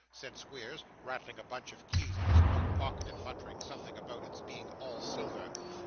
said Squeers, rattling a bunch of keys in his coat pocket, and muttering something about its being all silver.